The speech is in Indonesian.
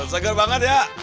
seger banget ya